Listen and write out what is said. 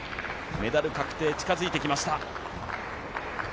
メダル確定近づいてきました。